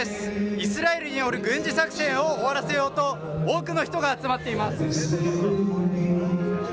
イスラエル軍による軍事作戦を終わらせようと、多くの人が集まっています。